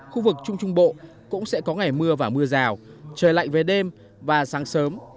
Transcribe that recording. khu vực trung trung bộ cũng sẽ có ngày mưa và mưa rào trời lạnh về đêm và sáng sớm